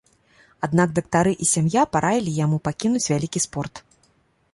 Аднак дактары і сям'я параілі яму пакінуць вялікі спорт.